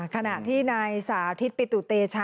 ขณะที่นายสาธิตปิตุเตชะ